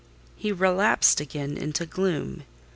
He relapsed again into gloom.